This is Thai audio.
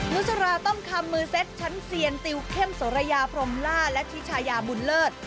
นุชราต้อมคำมือเซ็ตชั้นเซียนติวเข้มโสระยาพรมล่าและทิชายาบุญเลิศ